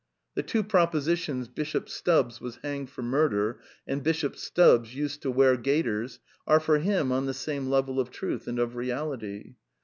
The two propositions " Bishop Stubbs was hanged for murder," and " Bishop Stubbs used to wear gaiters," are, for him, on the same level of truth and of reality.